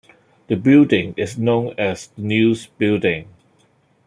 The building is known as The News Building.